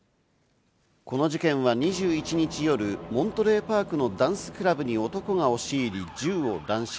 この事件は２１日夜、モントレーパークのダンスクラブに男が押し入り、銃を乱射。